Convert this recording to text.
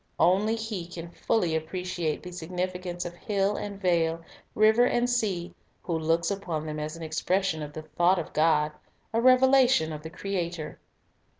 Only he can fully appreciate the significance of hill and vale, river and sea, who looks upon them as an expression of the thought of God, a revelation of the Creator.